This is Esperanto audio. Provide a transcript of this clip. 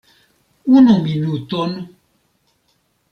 Unu minuton.